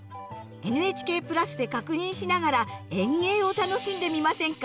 ＮＨＫ＋で確認しながら園芸を楽しんでみませんか？